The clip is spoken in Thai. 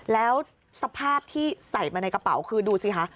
แล้วสภาพที่ใส่มาในกระเป๋าคือดูสิคะ